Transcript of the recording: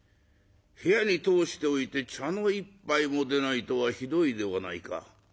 部屋に通しておいて茶の一杯も出ないとはひどいではないか。